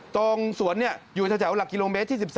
ตรงสวนอยู่แถวหลักกิโลเมตรที่๑๓